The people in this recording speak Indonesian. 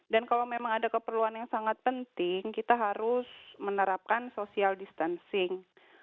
dan kalau memang ada keperluan yang sangat penting kita harus menerapkan social distancing